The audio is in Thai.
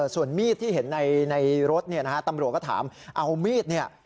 ส่วนมีดที่เห็นในรถเนี่ยนะฮะตำรวจก็ถามเอามีดเนี่ย